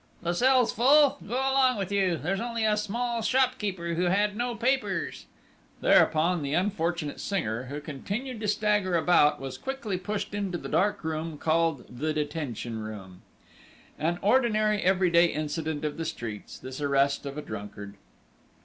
"The cells full? Go along with you! There's only a small shopkeeper who had no papers." Thereupon the unfortunate singer, who continued to stagger about, was quickly pushed into the dark room called "the detention room." An ordinary every day incident of the streets, this arrest of a drunkard!